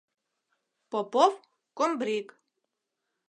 Попов - комбриг.